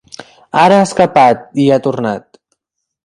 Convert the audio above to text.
Ara ha escapat i ha tornat.